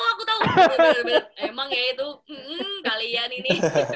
bener bener emang ya itu mm mm kalian ini